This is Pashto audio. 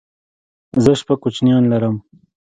زه شپږ کوچنيان لرم